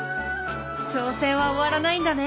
挑戦は終わらないんだね。